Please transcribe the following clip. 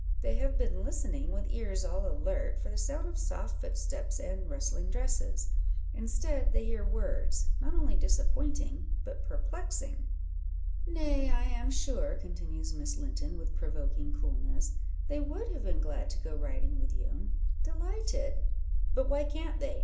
They have been listening, with ears all alert, for the sound of soft footsteps and rustling dresses. Instead, they hear words, not only disappointing, but perplexing. "Nay, I am sure," continues Miss Linton, with provoking coolness, "they would have been glad to go riding with you; delighted " "But why can't they?"